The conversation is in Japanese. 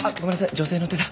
女性の手だ。